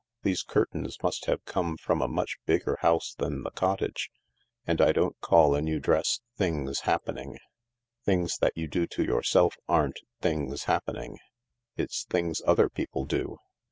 These curtains must have come from a much bigger house than the cottage. And I don't call a new dress 1 things happening.' Things that you do yourself aren't 'things happening.' It's things other people do.